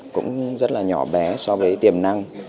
cũng rất là nhỏ bé so với tiềm năng